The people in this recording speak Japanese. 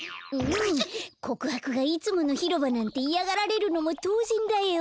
こくはくがいつものひろばなんていやがられるのもとうぜんだよ。